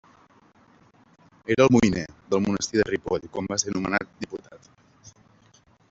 Era almoiner del monestir de Ripoll quan va ser nomenat diputat.